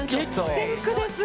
激戦区ですね。